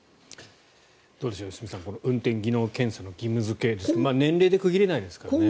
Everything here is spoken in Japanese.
どうでしょう、良純さん運転技能検査の義務付けですが年齢で区切れないですからね。